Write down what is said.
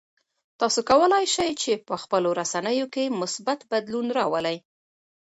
تاسو کولای شئ چې په خپلو رسنیو کې مثبت بدلون راولئ.